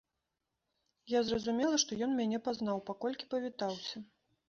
Я зразумела, што ён мяне пазнаў, паколькі павітаўся.